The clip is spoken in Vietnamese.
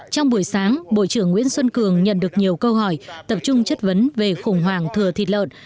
trong buổi sáng bộ trưởng nguyễn xuân cường nhận được nhiều câu hỏi tập trung chất vấn về khủng hoảng thừa thịt lợn